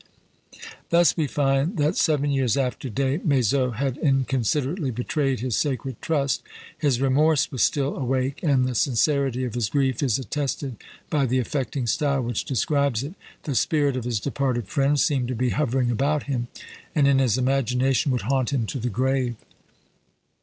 Thus we find that, seven years after Des Maizeaux had inconsiderately betrayed his sacred trust, his remorse was still awake; and the sincerity of his grief is attested by the affecting style which describes it: the spirit of his departed friend seemed to be hovering about him, and, in his imagination, would haunt him to the grave.